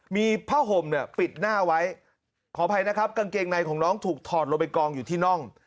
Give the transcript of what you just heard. มีผ้าห่มเนี่ยปิดหน้าไว้ขออภัยนะครับกางเกงในของน้องถูกถอดลงไปกองอยู่ที่น่อง